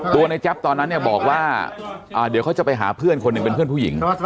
ในแจ๊บตอนนั้นเนี่ยบอกว่าเดี๋ยวเขาจะไปหาเพื่อนคนหนึ่งเป็นเพื่อนผู้หญิง